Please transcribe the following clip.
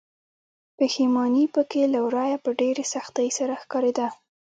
پښيماني پکې له ورايه په ډېرې سختۍ سره ښکاريده.